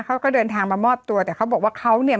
เขาก็เดินทางมามอบตัวแต่เขาบอกว่าเขาเนี่ย